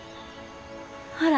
ほら。